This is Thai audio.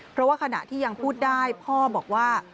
เพราะว่าขณะที่ยังพูดได้พ่อบอกว่า